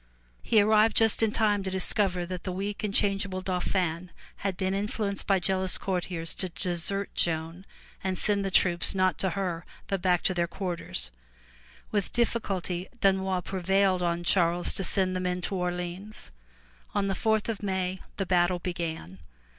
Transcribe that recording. He arrived just in time to discover that the weak and changeable Dauphin had been influenced by jealous courtiers to desert Joan 310 FROM THE TOWER WINDOW and send the troops not to her but back to their quarters. With difficulty Dunois prevailed on Charles to send the men to Orleans. On the fourth of May the battle began.